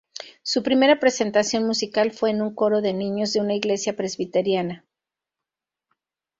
Su primera presentación musical fue en un coro de niños de una iglesia presbiteriana.